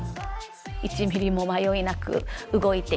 １ミリも迷いなく動いていって。